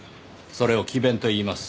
それを詭弁と言います。